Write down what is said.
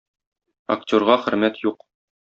Актерга хөрмәт юк